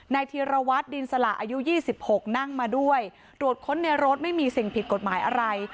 ธีรวัตรดินสละอายุ๒๖นั่งมาด้วยตรวจค้นในรถไม่มีสิ่งผิดกฎหมายอะไร